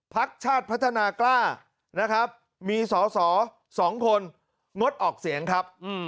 ภักดิ์ชาติพัฒนากล้ามีสอสอ๒คนงดออกเสียงครับ